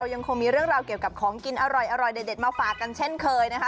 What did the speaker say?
ยังคงมีเรื่องราวเกี่ยวกับของกินอร่อยเด็ดมาฝากกันเช่นเคยนะคะ